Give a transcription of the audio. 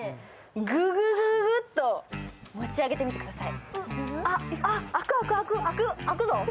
グググッと持ち上げてみてください。